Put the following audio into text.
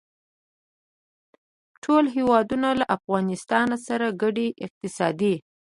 ټول هېوادونه له افغانستان سره ګډې اقتصادي